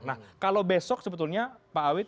nah kalau besok sebetulnya pak awid